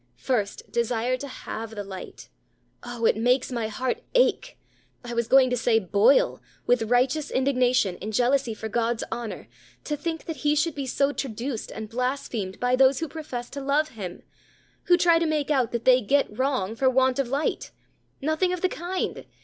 First, desire to have the light. Oh! it makes my heart ache I was going to say boil with righteous indignation, in jealousy for God's honor, to think that He should be so traduced and blasphemed by those who profess to love Him who try to make out that they get wrong for want of light. Nothing of the kind.